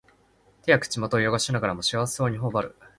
手や口元をよごしながらも幸せそうにほおばる